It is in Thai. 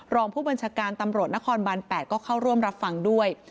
รองผู้บัญชาการตำรวจนครบาน๘ก็เข้าร่วมรับฟังด้วย